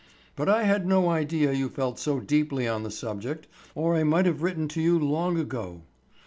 But I had no idea you felt so deeply on the subject or I might have written to you long ago.